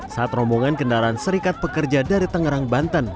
saat rombongan kendaraan serikat pekerja dari tangerang banten